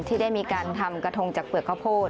ที่ได้มีการทำกระทงจากเปลือกข้าวโพด